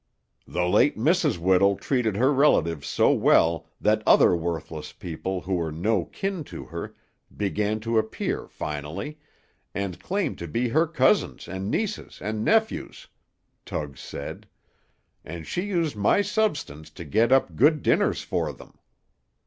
"The late Mrs. Whittle treated her relatives so well that other worthless people who were no kin to her began to appear finally, and claim to be her cousins and nieces and nephews," Tug said. "And she used my substance to get up good dinners for them.